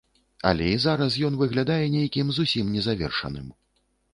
Але і зараз ён выглядае нейкім зусім незавершаным.